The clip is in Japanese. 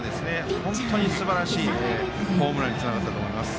本当にすばらしいホームランにつながったと思います。